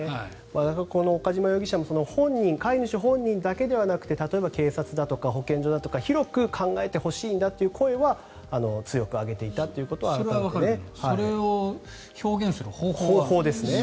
岡島容疑者も飼い主本人だけではなくて例えば警察だとか保健所だとか広く考えてほしいんだという声は強く上げていたということはあったので。